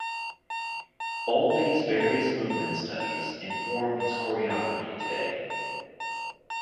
All these various movement studies inform his choreography today.